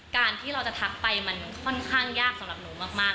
การที่เราจะทักไปมันค่อนข้างยากสำหรับหนูมาก